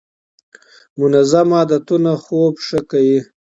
منظم عادتونه خوب ښه کوي.